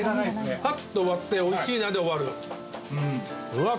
ふわっと終わっておいしいなで終わるうわっ